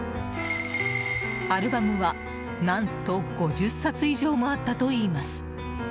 アルバムは何と、５０冊以上もあったといいます。